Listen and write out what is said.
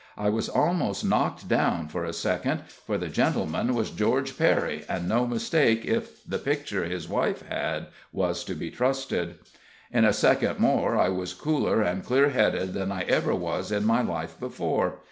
I was almost knocked down for a second, for the gentleman was George Perry, and no mistake, if the picture his wife had was to be trusted. In a second more I was cooler and clearer headed than I ever was in my life before.